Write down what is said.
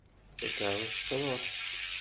Takerrust truḥ.